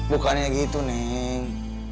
bukannya gitu neng